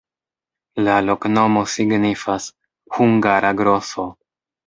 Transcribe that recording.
La loknomo signifas: hungara-groso.